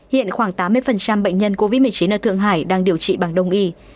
hiện khoảng tám mươi bệnh nhân covid một mươi chín ở thượng hải đang điều trị bằng đông y